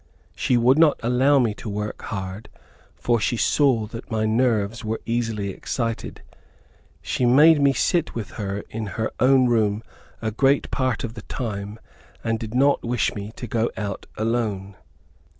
She would not allow me to work hard, for she saw that my nerves were easily excited. She made me sit with her in her own room a great part of the time, and did not wish me to go out alone.